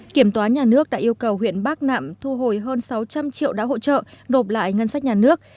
kiểm toán nhà nước đã yêu cầu huyện bắc nạm thu hồi hơn sáu trăm linh triệu đã hỗ trợ đột lại ngân sách nhà nước